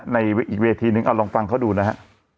ในอีกเวทีนึงเอาลองฟังเขาดูนะฮะ